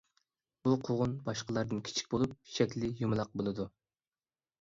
بۇ قوغۇن باشقىلاردىن كىچىك بولۇپ، شەكلى يۇمىلاق بولىدۇ.